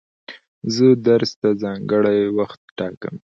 زه درس ته ځانګړی وخت ټاکم.